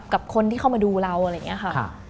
กับคนที่เข้ามาดูเราอะไรอย่างนี้ค่ะ